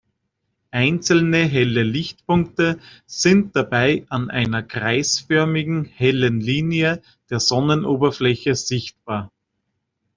Einzelne helle Lichtpunkte sind dabei an einer kreisförmigen hellen Linie der Sonnenoberfläche sichtbar.